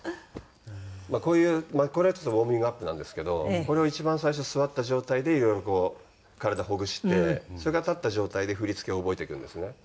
まあこういうこれはちょっとウォーミングアップなんですけどこれを一番最初座った状態でいろいろこう体ほぐしてそれから立った状態で振り付けを覚えていくんですね。